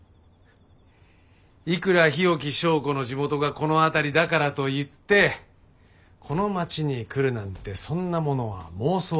いくら日置昭子の地元がこの辺りだからといってこの町に来るなんてそんなものは妄想だ